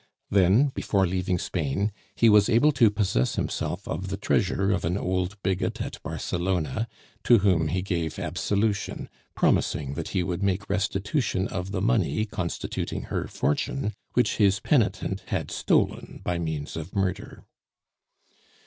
Then, before leaving Spain, he was able to possess himself of the treasure of an old bigot at Barcelona, to whom he gave absolution, promising that he would make restitution of the money constituting her fortune, which his penitent had stolen by means of murder.